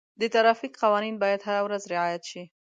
د ټرافیک قوانین باید هره ورځ رعایت شي.